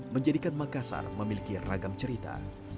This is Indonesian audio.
menjadikan makassar memiliki ragam cerita